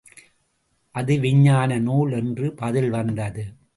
அது விஞ்ஞான நூல் என்று பதில் வந்தது.